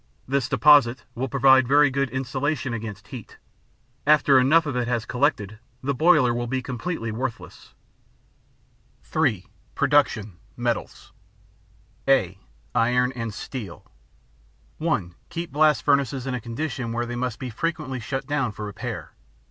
This deposit will provide very good insulation against heat; after enough of it has collected, the boiler will be completely worthless. (3) Production. Metals (a) Iron and Steel (1) Keep blast furnaces in a condition where they must be frequently shut down for repair.